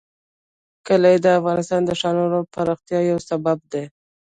کلي د افغانستان د ښاري پراختیا یو سبب دی.